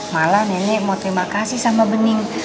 malah nenek mau terima kasih sama bening